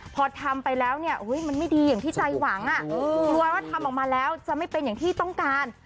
พอทำไปแล้วเนี่ยมันไม่ดีอย่างที่ใจหวังกลัวว่าทำออกมาแล้วจะไม่เป็นอย่างที่ต้องการ